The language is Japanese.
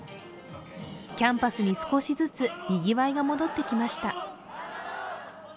キャンパスに少しずつにぎわいが戻ってきました。